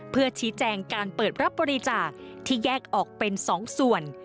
เพื่อชี้แจงการเปิดรับบริจาคที่แยกออกเป็น๒ส่วน